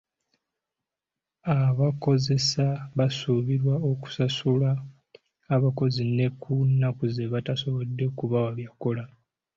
Abakozesa basuubirwa okusasula abakozi ne ku nnaku ze batasobodde kubawa byakukola.